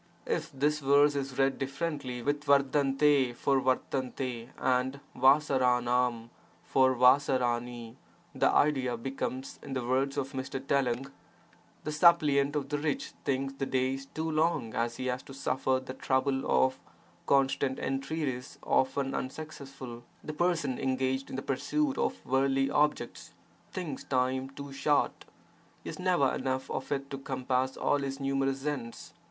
[If this verse is read differently with ^Frf for ^cRT and =ii*ki u ii for qi*Ki|u| the idea becomes, in the words of Mr. Telang: 'The suppliant of the rich thinks the days too long as he has to suffer the trouble of constant entreaties often unsuccessful; the person engaged in the pursuit of worldly objects thinks time too short; he has never enough of it to compass all his numerous ends.